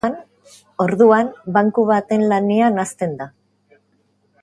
Orduan, banku baten lanean hasten da.